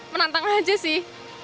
menantang aja sih